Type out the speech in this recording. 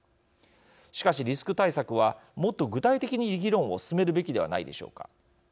しかしリスク対策はもっと具体的に議論を進めるべきではないでしょうか。